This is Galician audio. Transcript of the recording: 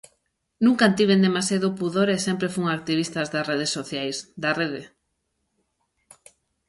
Nunca tiven demasiado pudor e sempre fun activista das redes sociais, da rede.